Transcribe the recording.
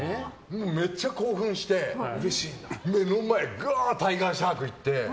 めっちゃ興奮して目の前がーってタイガーシャーク行って。